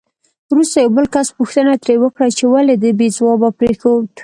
وروسته یو بل کس پوښتنه ترې وکړه چې ولې دې بې ځوابه پرېښود؟